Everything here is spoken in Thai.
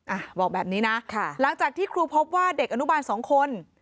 อ่ะบอกแบบนี้นะค่ะหลังจากที่ครูพบว่าเด็กอนุบาลสองคน